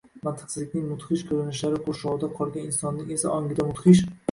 Mantiqsizlikning mudhish ko‘rinishlari qurshovida qolgan insonning esa ongida mudhish –